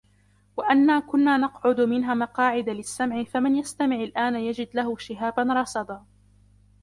وأنا كنا نقعد منها مقاعد للسمع فمن يستمع الآن يجد له شهابا رصدا